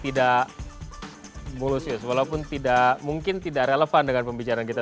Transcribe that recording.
tidak mulusus walaupun tidak mungkin tidak relevan dengan pembicaraan kita